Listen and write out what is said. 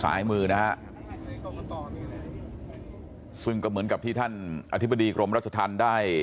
ซ้ายมือนะฮะซึ่งก็เหมือนกับที่ท่านอธิบดีกรมรัชธรรมได้